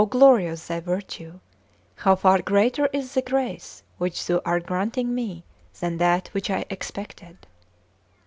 oh, glorious Thy virtue! How far greater is the grace which Thou art granting me than that which I expected!"